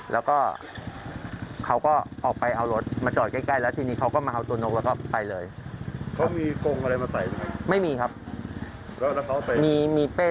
แล้วก็ค้อก็ออกไปเอารถมาจอดใกล้แล้วทีนี้เขาก็มาเอาตัวอะไรกันทุกแล้วก็ตั้งไปเลย